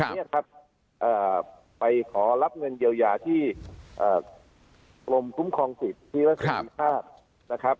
เนี่ยครับไปขอรับเงินเยียวยาที่กรมคุ้มครองสิทธิและเสรีภาพนะครับ